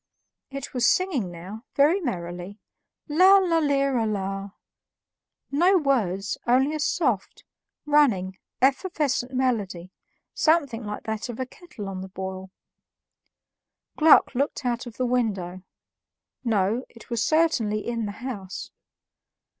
It was singing now, very merrily, "Lala lira la" no words, only a soft, running, effervescent melody, something like that of a kettle on the boil. Gluck looked out of the window; no, it was certainly in the house.